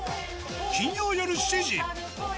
金曜夜７時。